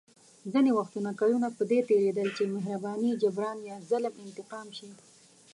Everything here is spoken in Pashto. ځینې وختونه کلونه په دې تېرېدل چې مهرباني جبران یا ظلم انتقام شي.